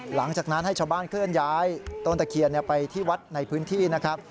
หลังจากนั้นให้ชาวบ้านเคลื่อนย้ายต้นตะเคียนไปที่วัดในพื้นที่นะครับ